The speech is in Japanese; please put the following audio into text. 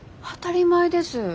当たり前です。